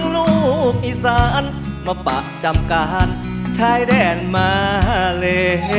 ลูกอีสานมาปะจำการชายแดนมาเล